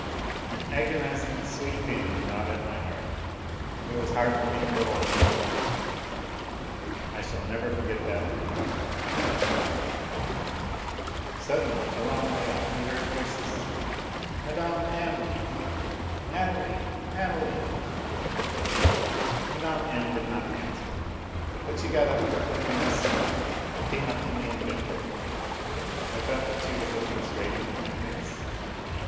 An agonizing, sweet feeling gnawed at my heart, it was hard for me to go on pretending. ... I shall never forget that minute ! Suddenly, a long way off, we heard voices " Mme. M. ! Natalie ! Natalie 1 " Mme. M. did not answer, but she got up quickly from the seat, came up to me and bent over me. I felt that she was looking straight into my face.